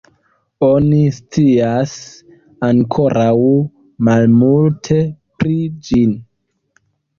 Oni scias ankoraŭ malmulte pri ĝi.